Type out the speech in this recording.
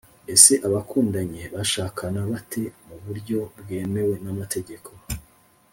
ese abakundanye, bashakana bate mu buryo bwemewe n’amategeko?